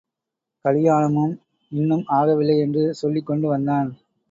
கலியாணமும் இன்னும் ஆகவில்லை என்று சொல்லிக் கொண்டு வந்தான்.